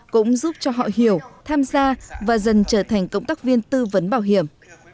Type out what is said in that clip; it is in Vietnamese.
cũng giúp cho họ hiểu tham gia và dần trở thành cộng tác viên tư vấn bảo hiểm